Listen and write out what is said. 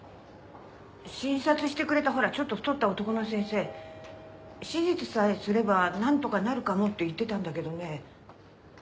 診察してくれたほらちょっと太った男の先生手術さえすればなんとかなるかもって言ってたんだけどね。